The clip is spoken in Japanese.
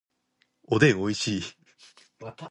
おでんおいしい